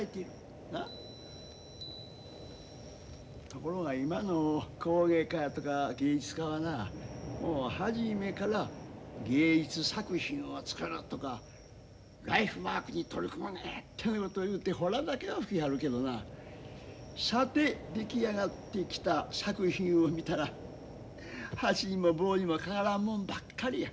ところが今の工芸家やとか芸術家はなもう初めから「芸術作品を作る」とか「ライフワークに取り組むねん」ってなこと言うてホラだけは吹きはるけどなさて出来上がってきた作品を見たら箸にも棒にもかからんもんばっかりや。